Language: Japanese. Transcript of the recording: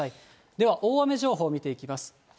では大雨情報、見ていきます。